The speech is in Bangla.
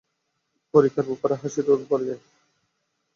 পরিখার ওপারে হাসির রোল পড়ে যায়।